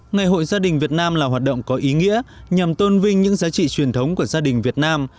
ngày hội gia đình việt nam là hoạt động có ý nghĩa nhằm tôn vinh những giá trị truyền thống của gia đình việt nam